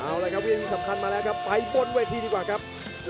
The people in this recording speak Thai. เอาละครับวินาทีสำคัญมาแล้วครับไปบนเวทีดีกว่าครับ